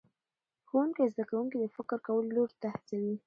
ښوونکی زده کوونکي د فکر کولو لور ته هڅوي